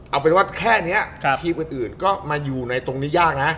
เอาเป็นว่าแค่นี้ทีมอื่นก็มาอยู่ในตรงนี้ยากนะ